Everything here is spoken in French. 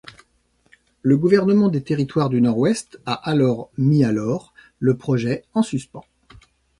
Le gouvernement des Territoires du Nord-Ouest a alors mis alors le projet en suspens.